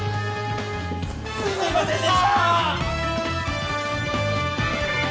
すみませんでした！